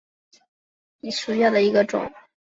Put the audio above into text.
匙唇兰为兰科匙唇兰属下的一个种。